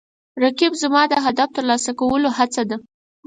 رقیب زما د هدف ترلاسه کولو هڅه ده